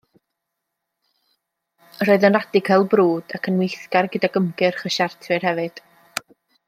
Roedd yn Radical brwd ac yn weithgar gydag ymgyrch y Siartwyr hefyd.